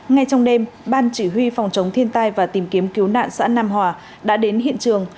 ngay trong đêm ban chỉ huy phòng chống thiên tai và tìm kiếm cứu nạn xã nam hòa đã đến hiện trường